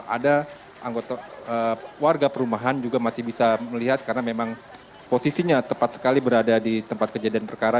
ada anggota warga perumahan juga masih bisa melihat karena memang posisinya tepat sekali berada di tempat kejadian perkara